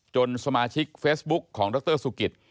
จนสมาชิกเฟสบุ๊คของรักษ์ตร์สุกิต